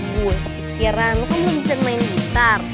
gue kepikiran lo kan belum bisa main gitar